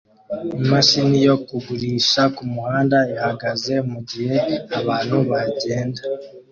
Imashini yo kugurisha kumuhanda ihagaze mugihe abantu bagenda